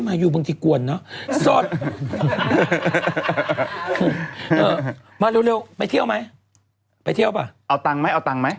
มายูะสดหมายให้เยอะซิ